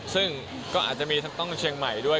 ซึ่งก็อาจจะมีทั้งต้องเชียงใหม่ด้วย